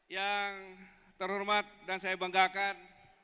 yang terhormat dan saya banggakan